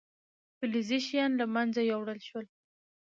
فلزي شیان له منځه یوړل شول.